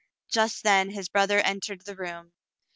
Just then his brother entered the room.